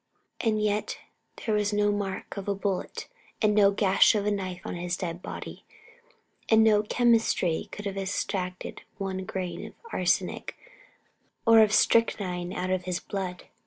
And yet there was no mark of a bullet and no gash of a knife on his dead body, and no chemistry could have extracted one grain of arsenic or of strychnine out of his blood.